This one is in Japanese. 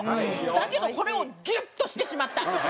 だけどこれをギュッとしてしまった。